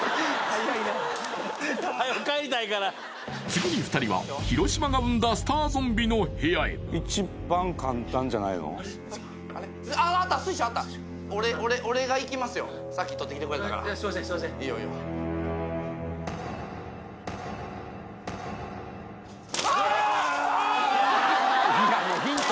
次に２人は広島が生んだスターゾンビの部屋へさっき取ってきてくれたからすいません